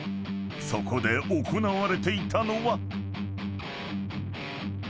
［そこで行われていたのは］